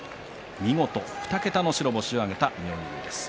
見事２桁の白星を挙げた妙義龍。